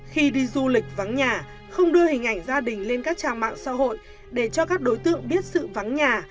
khi đi du lịch vắng nhà không đưa hình ảnh gia đình lên các trang mạng xã hội để cho các đối tượng biết sự vắng nhà